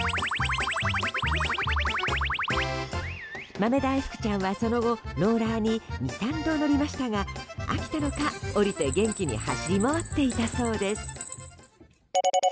まめだいふくちゃんは、その後ローラーに２、３度乗りましたが飽きたのか、降りて元気に走り回っていたそうです。